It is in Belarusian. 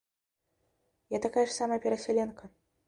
Я такая ж самая перасяленка.